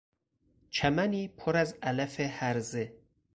چمنی پر از علف هرزه